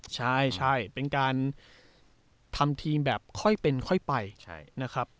ใช่เป็นการทำทีมแบบค่อยเป็นค่อยไปนะครับ